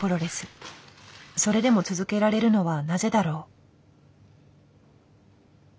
それでも続けられるのはなぜだろう？